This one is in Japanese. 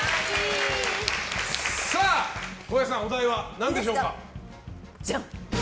小林さん、お題は何でしょうか。